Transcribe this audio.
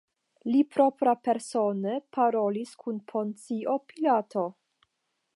Li proprapersone parolis kun Poncio Pilato.